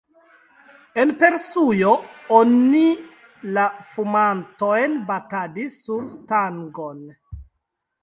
En Persujo oni la fumantojn batadis sur stangon.